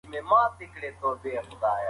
هغه په مسافرۍ کې د وطن د ډوډۍ خوند یادوي.